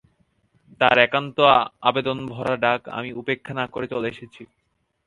তার একান্ত আবেদনভরা ডাক আমি উপেক্ষা না করে চলে এসেছি।